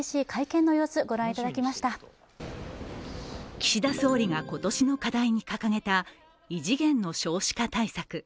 岸田総理が今年の課題に掲げた異次元の少子化対策。